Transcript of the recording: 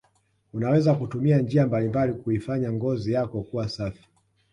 unaweza kutumia njia mbalimbali kuifanya ngozi yako kuwa safi